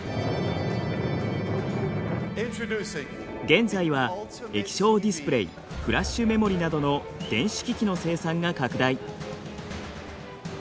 現在は液晶ディスプレーフラッシュメモリなどの電子機器の生産が拡大。